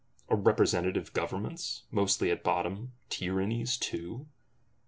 Are Representative Governments mostly at bottom Tyrannies too!